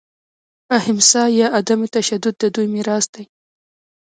اهیمسا یا عدم تشدد د دوی میراث دی.